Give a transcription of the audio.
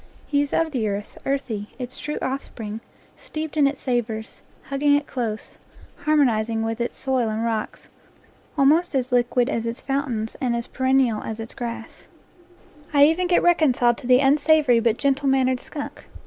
He is of the earth, earthy, its true offspring, steeped in its savors, hugging it close, harmonizing with its soil and rocks, almost as liquid as its fountains and as perennial as its grass. 4 NATURE LORE I even get reconciled to the unsavory but gentle mannered skunk.